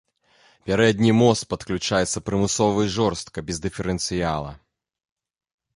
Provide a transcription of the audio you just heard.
Пярэдні мост падключаецца прымусова і жорстка, без дыферэнцыяла.